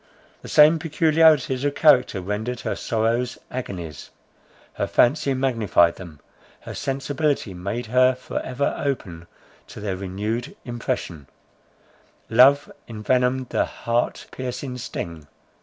The same peculiarities of character rendered her sorrows agonies; her fancy magnified them, her sensibility made her for ever open to their renewed impression; love envenomed the heart piercing sting.